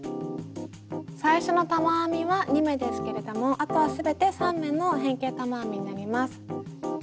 最初の玉編みは２目ですけれどもあとは全て３目の変形玉編みになります。